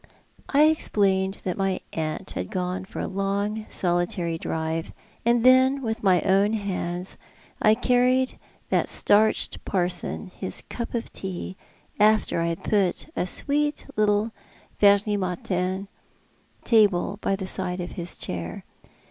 I explained that my aunt had gone for a long solitary drive. Coralies Private J oiirnal. 219 and then, •^ilh my own hands, I carried that starched parson his cup of tea, after I had put a sweet little Veruis Martin table by the side of his chair.